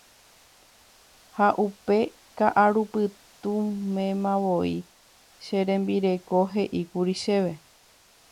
Ha upe ka'arupytũmemavoi che rembireko he'íkuri chéve.